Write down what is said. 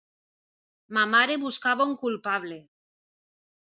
Ma mare buscava un culpable...